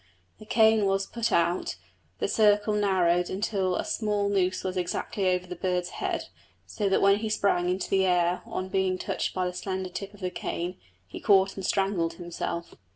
The cane was put out, the circle narrowed until the small noose was exactly over the bird's head, so that when he sprang into the air on being touched by the slender tip of the cane he caught and strangled himself.